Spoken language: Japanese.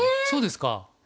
そうですか。